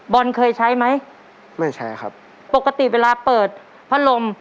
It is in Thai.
เคยใช้ไหมไม่ใช้ครับปกติเวลาเปิดพัดลม